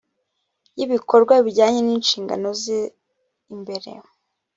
y ibikorwa bijyanye n inshingano ze imbere